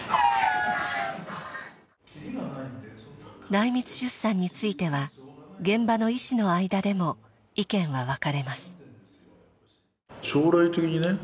内密出産については現場の医師の間でも意見は分かれます。